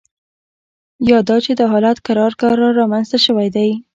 یا دا چې دا حالت کرار کرار رامینځته شوی دی